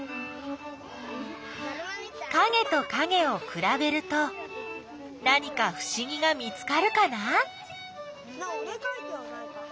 かげとかげをくらべると何かふしぎが見つかるかな？